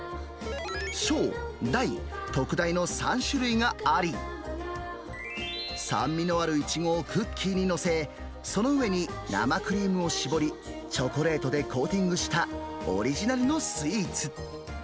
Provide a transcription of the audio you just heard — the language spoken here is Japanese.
小、大、特大の３種類があり、酸味のあるイチゴをクッキーに載せ、その上に生クリームを絞り、チョコレートでコーティングしたオリジナルのスイーツ。